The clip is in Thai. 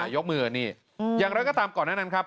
ยกมือนี่อย่างไรก็ตามก่อนหน้านั้นครับ